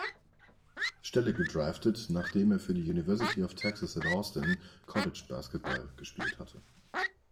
Stelle gedraftet, nachdem er für die University of Texas at Austin Collegebasketball gespielt hatte.